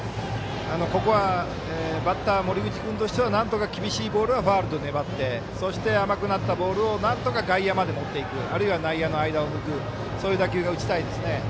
ここはバッター、森口君としてはなんとか厳しいボールはファウルで粘ってそして、甘くなったボールをなんとか外野まで持っていくあるいは内野の間を抜く打球が打ちたいですね。